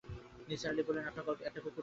নিসার আলি বললেন, আপনার গল্পে একটা কুকুর আছে।